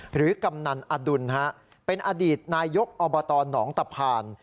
กำนันอดุลเป็นอดีตนายกอบตหนองตะพาน